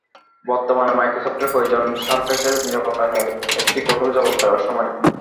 বর্তমানে মাইক্রোসফটের প্রয়োজন সারফেসের নিরাপত্তা নিয়ে একটি কঠোর জবাব দেওয়ার সময়।